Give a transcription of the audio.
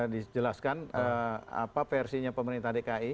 dijelaskan apa versinya pemerintah dki